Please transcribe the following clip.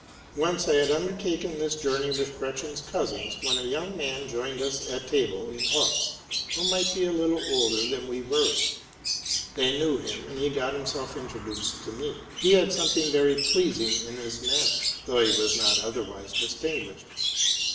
Once I had undertaken this journey with Gretchen's cousins, when «a young man joined us at table in Hochst, who might be a little older than we were. They knew him, and he got him self introduced to me. He had something very pleasing in his manner, though he was not otherwise distinguished.